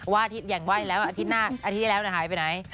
ว่าอาทิตย์อย่างว่าอาทิตย์หน้าอาทิตย์ที่แล้วหายไปไหน